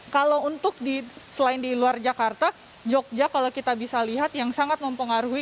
kalau untuk selain di luar jakarta jogja kalau kita bisa lihat yang sangat mempengaruhi